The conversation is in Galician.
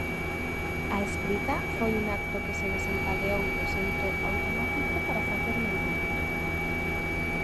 A escrita foi un acto que se desencadeou de xeito automático para facerme entender.